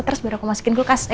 terus biar aku masukin kulkas ya